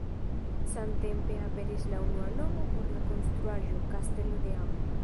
Samtempe aperis la unua nomo por la konstruaĵo: "Kastelo de amo".